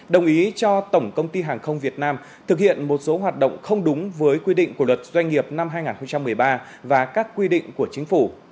đồng ý cho tổng công ty hàng không việt nam thực hiện một số hoạt động không đúng với quy định của luật doanh nghiệp năm hai nghìn một mươi ba và các quy định của chính phủ